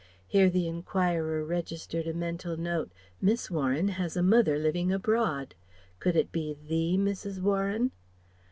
(Here the enquirer registered a mental note: Miss Warren has a mother living abroad: could it be the Mrs. Warren?).